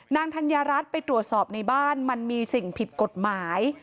ธัญญารัฐไปตรวจสอบในบ้านมันมีสิ่งผิดกฎหมาย